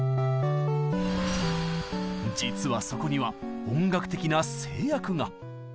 実はそこには音楽的な制約が。